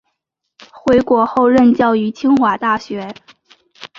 回国后任教于清华大学。